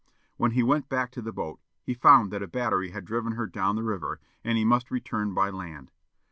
When he went back to the boat, he found that a battery had driven her down the river, and he must return by land.